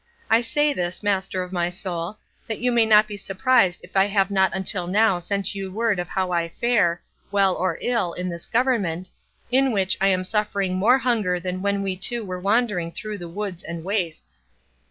I say this, master of my soul, that you may not be surprised if I have not until now sent you word of how I fare, well or ill, in this government, in which I am suffering more hunger than when we two were wandering through the woods and wastes.